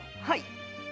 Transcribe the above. はい！